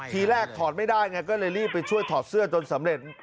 ทีแรกถอดไม่ได้ไงก็เลยรีบไปช่วยถอดเสื้อจนสำเร็จ